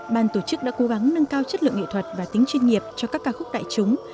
ban tổ chức đã cố gắng nâng cao chất lượng nghệ thuật và tính chuyên nghiệp cho các ca khúc đại chúng